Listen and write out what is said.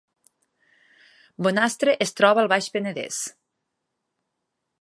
Bonastre es troba al Baix Penedès